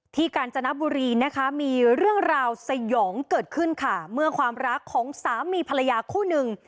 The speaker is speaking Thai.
กาญจนบุรีนะคะมีเรื่องราวสยองเกิดขึ้นค่ะเมื่อความรักของสามีภรรยาคู่หนึ่ง